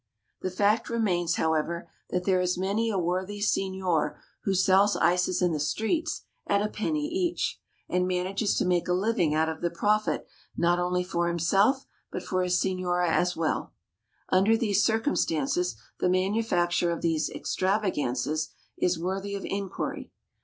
The fact remains, however, that there is many a worthy signor who sells ices in the streets at a penny each, and manages to make a living out of the profit not only for himself, but for his signora as well. Under these circumstances, the manufacture of these "extravagances" is worthy of inquiry.